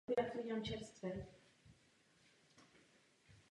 Byl několikrát raněn.